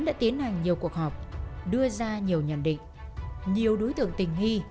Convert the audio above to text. ban chuyên án đã tiến hành nhiều cuộc họp đưa ra nhiều nhận định nhiều đối tượng tình hy